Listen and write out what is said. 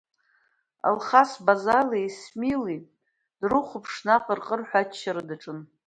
Алхас, Базалеи Исмили дрыхәаԥшны аҟырҟырҳәа аччара даҿын.